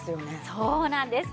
そうなんです。